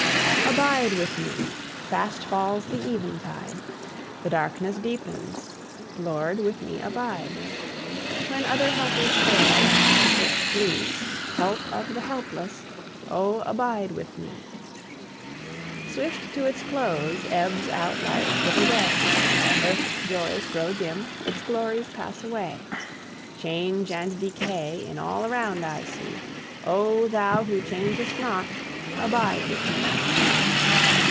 Abide with me! fast falls the eventide; The darkness deepens; Lord, with me abide! When other helpers fail, and comforts flee, Help of the helpless, O abide with me. Swift to its close ebbs out life's little day; Earth's joys grow dim, its glories pass away; Change and decay in all around I see: O Thou who changest not, abide with me!